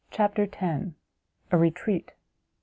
CHAPTER x. A RETREAT.